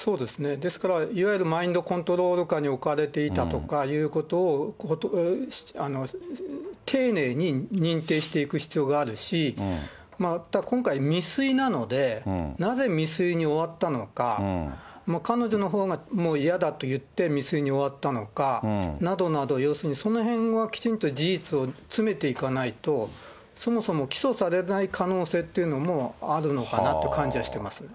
ですから、いわゆるマインドコントロール下に置かれていたとかいうことを、丁寧に認定していく必要があるし、また今回、未遂なので、なぜ未遂に終わったのか、彼女のほうがもう嫌だと言って、未遂に終わったのかなどなど、要するにそのへんがきちんと事実を詰めていかないと、そもそも起訴されない可能性というのもあるのかなと感じはしています。